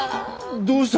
どうした？